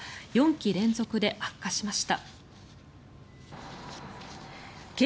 ４期連続で悪化しました。